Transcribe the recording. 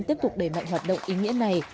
tiếp tục đẩy mạnh hoạt động ý nghĩa này